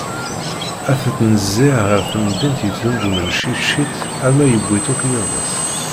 Ad tettnezzih ɣer temdint yettnuddumen ciṭ ciṭ arma yiwi-tt akk yiḍes.